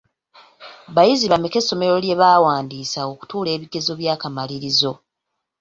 Bayizi bameka essomero lye baawandiisa okutuula ebigezo by'akamalirizo?